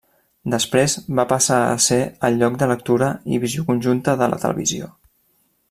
Després va passar a ser el lloc de lectura i visió conjunta de la televisió.